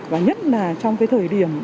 và nhất là trong cái thời điểm